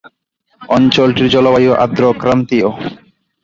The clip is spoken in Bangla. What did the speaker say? অঞ্চলটির জলবায়ু আর্দ্র ক্রান্তিয়।